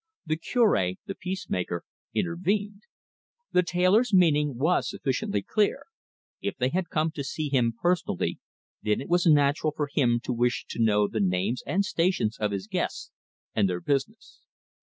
The Cure, the peace maker, intervened. The tailor's meaning was sufficiently clear: if they had come to see him personally, then it was natural for him to wish to know the names and stations of his guests, and their business.